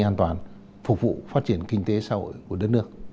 an toàn phục vụ phát triển kinh tế xã hội của đất nước